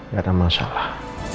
gak ada masalah